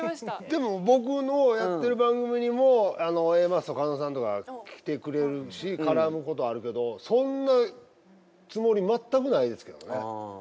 でも僕のやってる番組にもＡマッソ加納さんとか来てくれるし絡むことあるけどそんなつもり全くないですけどもね。